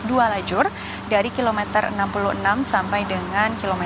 dua lajur dari km enam puluh enam sampai dengan km empat puluh tujuh